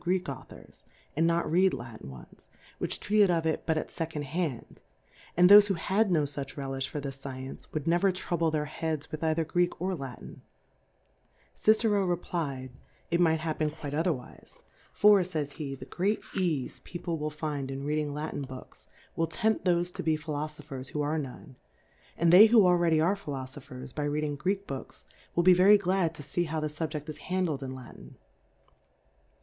Greek Authors^ a?id not read Latin ones^ vohich treated of It hut at Second^ ha?id\ and tbofe who had no fuch Relijh for this Science^ would never trouhle their He.f^ds with either Greek or La tin. Cicero reply* d^ it might happen quite otherwife \ for^ fays he, the great Eafe A 2 Teople Monfieur Fontenelle's \ PeofJe will find in rending Latin Boohs^ [ tvill temft thofe to he Philofophers who \ are none ; and they who already are Phi* ^ lofo^hers^ hy reading Greek Books^ will ! ie very glad to fee how the SuljeH is ; handled in Latin.